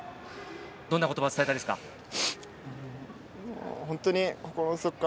どんな言葉を伝えたいですか？